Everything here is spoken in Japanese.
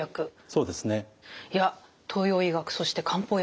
そうですね。